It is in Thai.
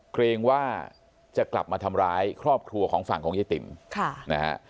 เกรงว่าจะกลับมาทำร้ายครอบครัวของฝั่งของยายติ๋มค่ะนะฮะ